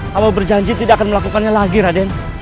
kamu berjanji tidak akan melakukannya lagi raden